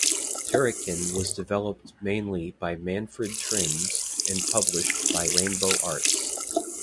"Turrican" was developed mainly by Manfred Trenz and published by Rainbow Arts.